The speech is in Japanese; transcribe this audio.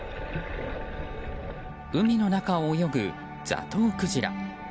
海の中を泳ぐザトウクジラ。